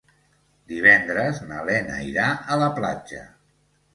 Divendres na Lena irà a la platja.